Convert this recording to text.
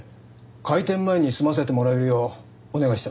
開店前に済ませてもらえるようお願いしてました。